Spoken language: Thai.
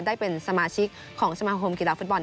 ได้เป็นสมาชิกของสมาคมกีฬาฟุตบอล